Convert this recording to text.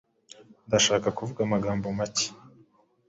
Ndashaka kuvuga amagambo make.